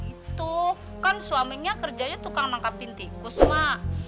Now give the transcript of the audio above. itu kan suaminya kerjanya tukang nangkapin tikus mak